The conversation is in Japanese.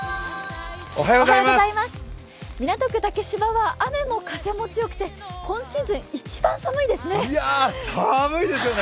港区竹芝は雨も風も強くて今シーズン一番寒いですね。